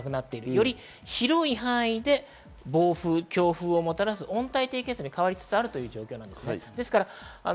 より広い範囲で暴風・強風をもたらす温帯低気圧に変わりつつあるという状況です。